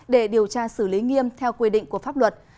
để điều tra xử lý nghiêm theo quy định của pháp luật